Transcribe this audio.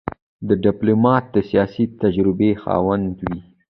ډيپلومات د سیاسي تجربې خاوند وي.